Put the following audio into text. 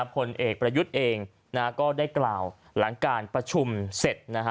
ผลเอกประยุทธ์เองก็ได้กล่าวหลังการประชุมเสร็จ